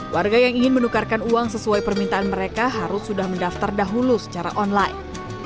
warga yang ingin menukarkan uang sesuai permintaan mereka harus sudah mendaftar dahulu secara online